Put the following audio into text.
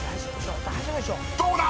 ［どうだ⁉］